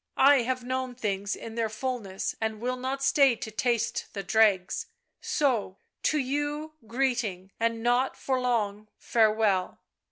I have known things in their fullness and will not stay to taste the dregs. So, to you greeting, and not for long farewell."